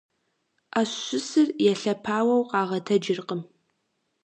Ӏэщ щысыр елъэпауэу къагъэтэджыркъым.